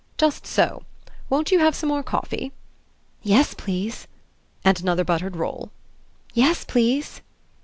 "Just so. Won't you have some more coffee?" "Yes, please." "And another buttered roll?" "Yes, please."